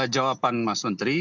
jawaban mas menteri